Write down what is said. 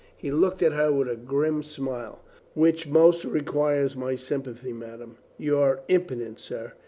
He looked at her with a grim smile. "Which most requires my sympathy, madame?" "You are impudent, sir."